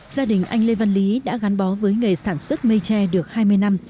gia đình anh lê văn lý đã gắn bó với nghề sản xuất mây tre được hai mươi năm